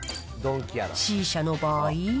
Ｃ社の場合。